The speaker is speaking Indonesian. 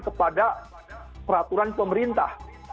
kepada peraturan pemerintah